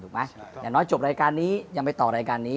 อย่างน้อยจบรายการนี้ยังไปต่อรายการนี้